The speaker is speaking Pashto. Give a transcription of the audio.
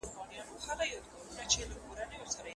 پر سرو شونډو به پېزوان ته خط لیکمه زنګومه